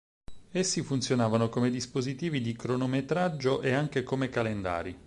Essi funzionavano come dispositivi di cronometraggio e anche come calendari.